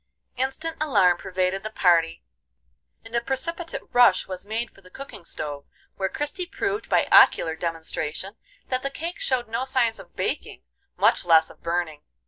Instant alarm pervaded the party, and a precipitate rush was made for the cooking stove, where Christie proved by ocular demonstration that the cake showed no signs of baking, much less of burning.